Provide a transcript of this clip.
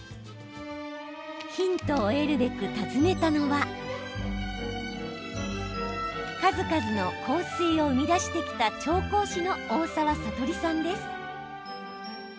ヒントを得るべく訪ねたのは数々の香水を生み出してきた調香師の大沢さとりさんです。